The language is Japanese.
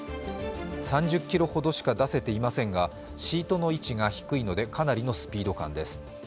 ３０ｋｍほどしか出せていませんが、シートの位置が低いのでかなりのスピード感です。